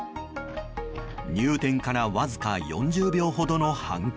入店からわずか４０秒ほどの犯行。